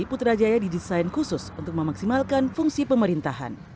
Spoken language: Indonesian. putrajaya juga memiliki desain khusus untuk memaksimalkan fungsi pemerintahan